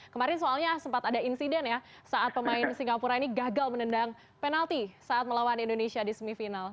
kemarin soalnya sempat ada insiden ya saat pemain singapura ini gagal menendang penalti saat melawan indonesia di semifinal